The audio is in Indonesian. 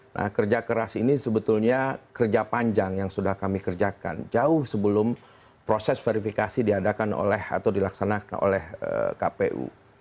nah kerja keras ini sebetulnya kerja panjang yang sudah kami kerjakan jauh sebelum proses verifikasi diadakan oleh atau dilaksanakan oleh kpu